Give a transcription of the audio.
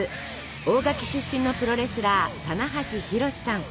大垣出身のプロレスラー棚橋弘至さん。